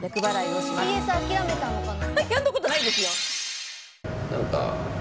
ＣＳ諦めたのかな。